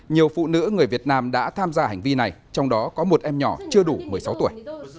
nhiều phụ nữ người việt nam đã tham gia hành vi này trong đó có một em nhỏ chưa đủ một mươi sáu tuổi